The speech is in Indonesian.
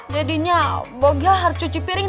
jadinya boga harus cuci piring